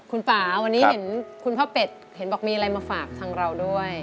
คุณป่าวันนี้เห็นคุณพ่อเป็ดเห็นบอกมีอะไรมาฝากทางเราด้วย